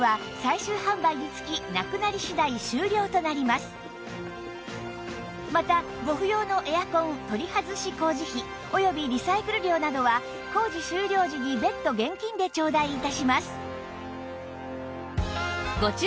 なおこのモデルはまたご不要のエアコン取り外し工事費およびリサイクル料などは工事終了時に別途現金でちょうだい致します